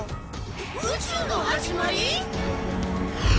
宇宙のはじまり！？